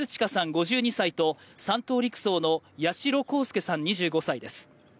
５２歳と、３等陸曹の八代航佑さん２５歳です。